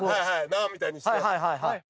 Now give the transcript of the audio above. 縄みたいにして。